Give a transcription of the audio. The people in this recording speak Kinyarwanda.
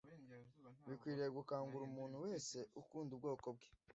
bikwiriye gukangura umuntu wese ukunda ubwoko bwe